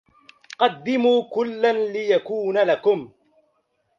قَدِّمُوا كُلًّا لِيَكُونَ لَكُمْ